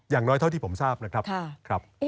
อย่างน้อยเท่าที่ผมทราบนะครับ